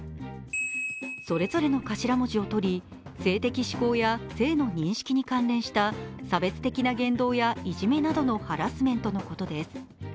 それぞれの頭文字を取り、性的指向や性の認識に関連した差別的な言動やいじめなどのハラスメントのことです。